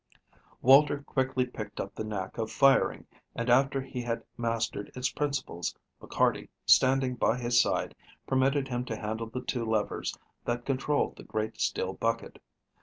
Walter quickly picked up the knack of firing, and, after he had mastered its principles, McCarty, standing by his side, permitted him to handle the two levers that controlled the great steel bucket.